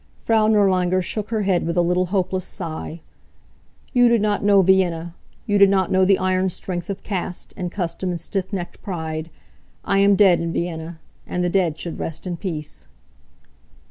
Frau Nirlanger shook her head with a little hopeless sigh. "You do not know Vienna; you do not know the iron strength of caste, and custom and stiff necked pride. I am dead in Vienna. And the dead should rest in peace."